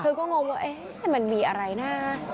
คือก็งงว่าเอ๊ะมันมีอะไรน่ะ